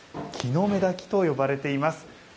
木の芽煮と呼ばれています。